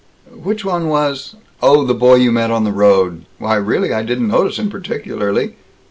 "Which one was Oh, the boy you met on the road? Why, really, I didn't notice him particularly.